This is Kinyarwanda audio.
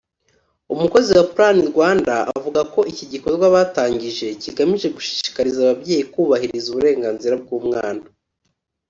umukozi wa Plan-Rwanda avuga ko iki gikorwa batangije kigamije gushishikariza ababyeyi kubahiriza uburenganzira bw’umwana